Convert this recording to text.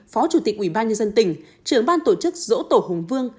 phó chủ tịch ủy ban nhân dân tỉnh trưởng ban tổ chức dỗ tổ hùng vương